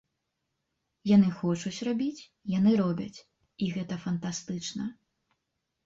Яны хочуць рабіць, яны робяць, і гэта фантастычна.